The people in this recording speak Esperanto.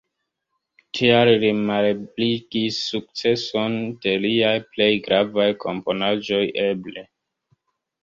Tial li malebligis sukceson de liaj plej gravaj komponaĵoj eble.